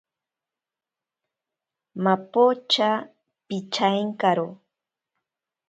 Mapocha pichaenkaro.